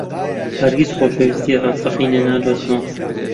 هەرگیز خۆشەویستیی ڕاستەقینە نادۆزمەوە.